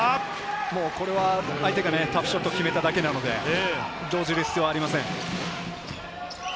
もうこれは相手がタフショットを決めただけなので、動じる必要はありません。